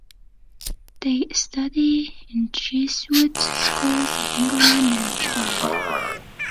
They study in Jesuit schools in England and Chile.